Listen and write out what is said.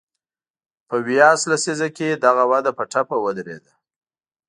په ویاس لسیزه کې دغه وده په ټپه ودرېده.